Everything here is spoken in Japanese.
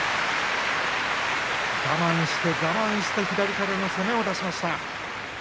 我慢して、我慢して左からの攻めを出しました。